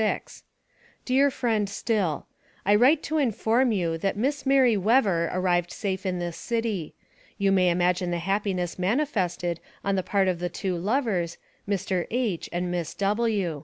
DEAR FRIEND STILL: I write to inform you that Miss Mary Wever arrived safe in this city. You may imagine the happiness manifested on the part of the two lovers, Mr. H. and Miss W.